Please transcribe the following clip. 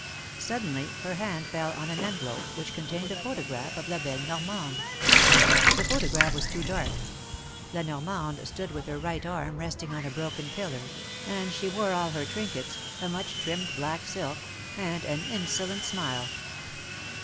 Suddenly her hand fell on an en velope which contained aphotographof La belle Norraande. The photograph was too dark. La Normande stood with her right arm resting on a broken pillar, and she wore all her trinkets, a much trimmed black silk, aud an inso lent smile.